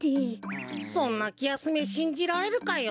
そんなきやすめしんじられるかよ。